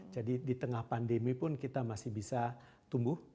jadi di tengah pandemi pun kita masih bisa tumbuh